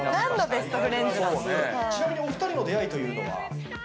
ちなみにお二人の出会いというのは？